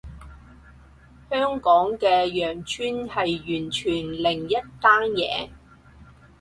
香港嘅羊村係完全另一單嘢